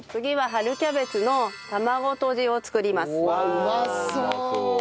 うまそう。